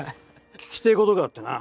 聞きてえことがあってな。